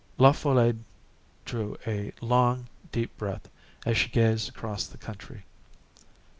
La Folle drew a long, deep breath as she gazed across the country.